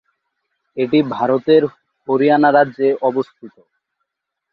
এটি ভারতের হরিয়ানা রাজ্যে অবস্থিত।